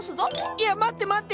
いや待って待って。